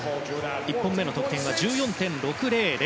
１本目の得点は１４．６００。